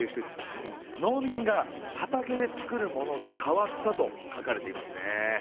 「農民が畑で作るものが変わった」と書かれていますね。